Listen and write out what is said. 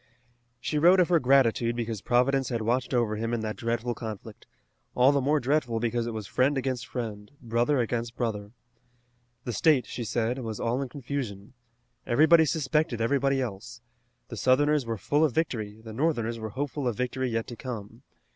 She wrote of her gratitude because Providence had watched over him in that dreadful conflict, all the more dreadful because it was friend against friend, brother against brother. The state, she said, was all in confusion. Everybody suspected everybody else. The Southerners were full of victory, the Northerners were hopeful of victory yet to come.